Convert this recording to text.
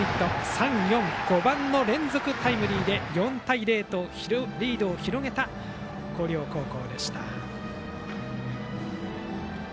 ３、４、５番の連続タイムリーで４対０とリードを広げた広陵高校。